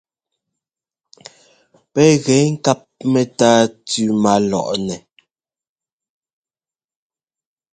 Pɛ́ gɛ ŋkáp mɛ́táa tʉ́ má lɔʼnɛ.